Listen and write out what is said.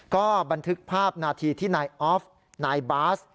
ก็บันทึกภาพนาทีที่นายออฟนายบาส